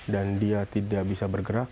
dan dia tidak bisa bergerak